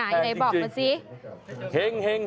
ไหนบอกมาซิ